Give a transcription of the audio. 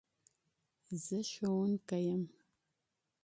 زه ښوونکي يم